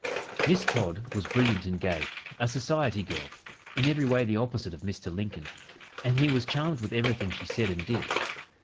Miss Todd was brilliant and gay, a society girl in every way the opposite of Mr. Lincoln and he was charmed with everything she said and did.